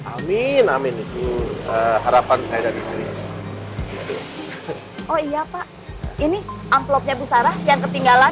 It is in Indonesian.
amin amin itu harapan saya dari sini oh iya pak ini amplopnya bu sarah yang ketinggalan